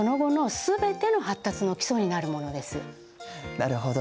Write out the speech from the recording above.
なるほど。